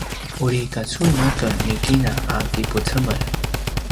uri kacuin aken ni kina a kipucemel